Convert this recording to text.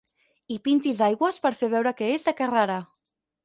Hi pintis aigües per fer veure que és de Carrara.